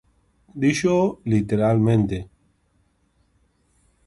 Díxoo literalmente.